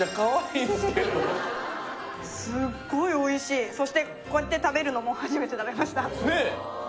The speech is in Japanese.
すっごいおいしいそしてこうやって食べるのも初めて食べましたねえ